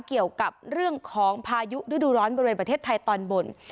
เกี่ยวกับเรื่องของพายุฤดูร้อนบริเวณประเทศไทยตอนบน